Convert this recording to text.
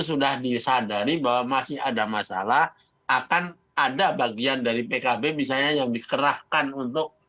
sudah disadari bahwa masih ada masalah akan ada bagian dari pkb misalnya yang dikerahkan untuk